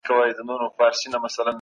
ډاکټران ساده سپارښتنې لري.